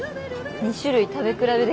２種類食べ比べできますね。